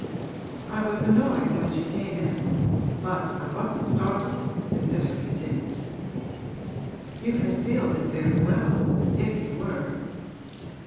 'I was annoyed when she came in but I wasn't startled,' his sitter continued. 'You concealed it very well, if you were.'